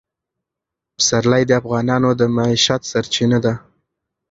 پسرلی د افغانانو د معیشت سرچینه ده.